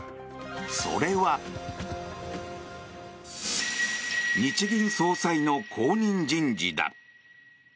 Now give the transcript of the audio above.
それは日銀総裁の後任人事だ。